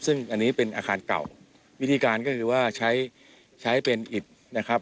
ซึ่งอันนี้เป็นอาคารเก่าวิธีการก็คือว่าใช้ใช้เป็นอิดนะครับ